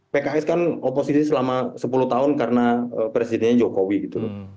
pks kan oposisi selama sepuluh tahun karena presidennya jokowi gitu loh